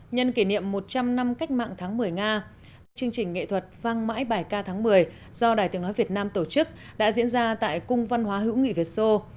nhân kỷ niệm một trăm linh năm cách mạng tháng một mươi nga chương trình nghệ thuật vang mãi bài ca tháng một mươi do đài tiếng nói việt nam tổ chức đã diễn ra tại cung văn hóa hữu nghị việt sô